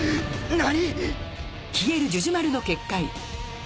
何！？